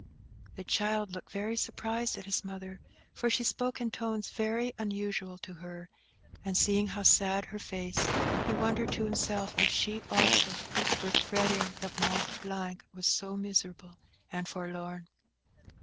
The child looked very surprised at his mother; for she spoke in tones very unusual to her; and seeing how sad her face, he wondered to himself if she, also, were fretting that Mont Blanc was so miserable and forlorn.